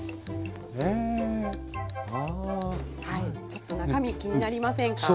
ちょっと中身気になりませんか？